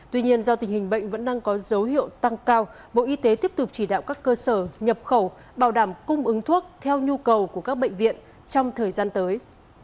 tuy nhiên do tình hình bệnh vẫn đang có dấu hiệu tăng cao bộ y tế tiếp tục chỉ đạo các cơ sở nhập khẩu bảo đảm cung ứng thuốc theo nhu cầu của các bệnh viện trong thời gian tới